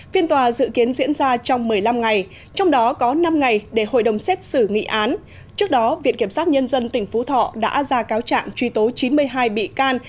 hội đồng xét xử nghị án trước đó viện kiểm sát nhân dân tỉnh phú thọ đã ra cáo trạng truy tố chín mươi hai bị can